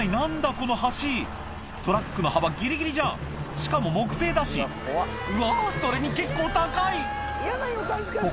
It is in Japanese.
この橋トラックの幅ギリギリじゃんしかも木製だしうわ